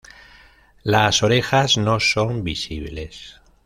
Las orejas no son visibles.